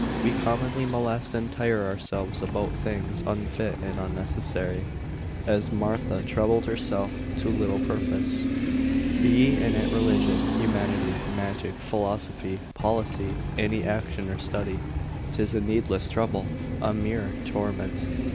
We commonly molest and tire ourselves about things unfit and unnecessary, as Martha troubled herself to little purpose. Be it in religion, humanity, magic, philosophy, policy, any action or study, 'tis a needless trouble, a mere torment.